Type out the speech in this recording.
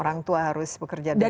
orang tua harus bekerja dari rumah